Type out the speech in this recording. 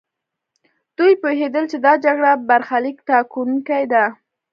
دوی پوهېدل چې دا جګړه برخليک ټاکونکې ده.